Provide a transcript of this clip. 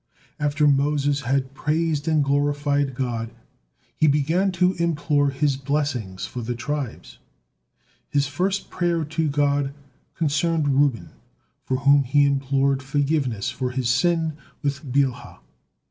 After Moses had praised and glorified God, he began to implore His blessing for the tribes. His first prayer to God concerned Reuben, for whom he implored forgiveness for his sin with Bilhah.